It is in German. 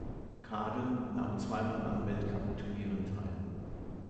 Kaden nahm zweimal an Weltcupturnieren teil.